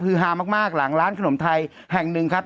คือฮามากหลังร้านขนมไทยแห่งหนึ่งครับ